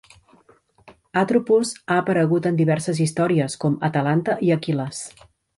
Atropos ha aparegut en diverses històries com Atalanta i Aquil·les.